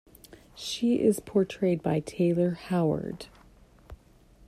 She is portrayed by Traylor Howard.